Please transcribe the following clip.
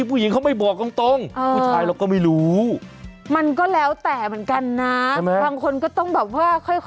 เป็นอะไรหรือเปล่าอ่าว